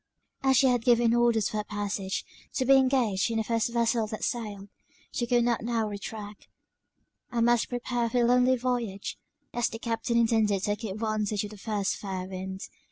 As she had given orders for her passage to be engaged in the first vessel that sailed, she could not now retract; and must prepare for the lonely voyage, as the Captain intended taking advantage of the first fair wind.